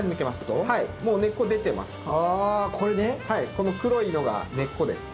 この黒いのが根っこです。